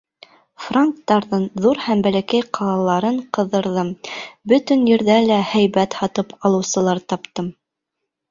Франктарҙың ҙур һәм бәләкәй ҡалаларын ҡыҙырҙым, бөтөн ерҙә лә һәйбәт һатып алыусылар таптым.